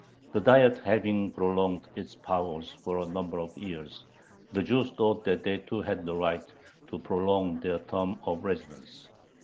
The Diet having prolonged its powers for a number of years, the Jews thought that they too had the right to prolong their term of residence.